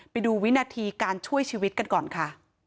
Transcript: ไปดูวินาทีการช่วยชีวิตกันก่อนค่ะ